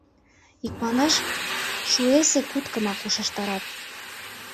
Икманаш, шуэсе куткымак ушештарат.